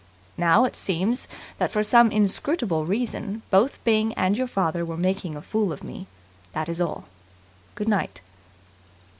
Now it seems that, for some inscrutable reason, both Byng and your father were making a fool of me. That's all. Good night."